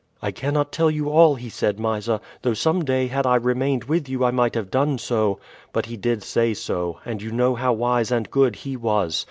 "I cannot tell you all he said, Mysa; though some day had I remained with you I might have done so. But he did say so, and you know how wise and good he was.